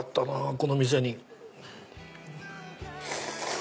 この店に。